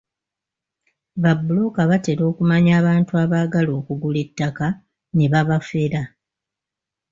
Babbulooka batera okumanya abantu abaagala okugula ettaka ne babafera.